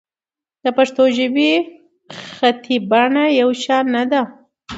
د پښتو ژبې خطي بڼه یو شان نه ده.